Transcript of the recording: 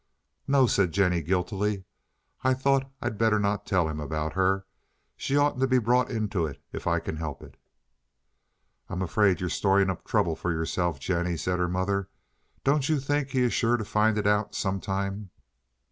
"No," said Jennie guiltily. "I thought I'd better not tell him about her. She oughtn't to be brought into it if I can help it." "I'm afraid you're storing up trouble for yourself, Jennie," said her mother. "Don't you think he is sure to find it out some time?"